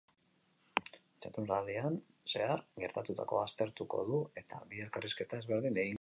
Jardunaldian zehar gertatutakoa aztertuko du eta bi elkarrizketa ezberdin egingo ditu.